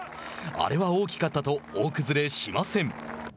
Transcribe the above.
あれは大きかったと大崩れしません。